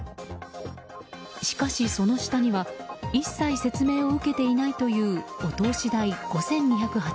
しかし、その下には一切説明を受けていないというお通し代５２８０円